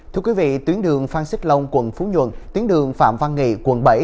thưa quý vị tuyến đường phan xích long quận phú nhuận tuyến đường phạm văn nghị quận bảy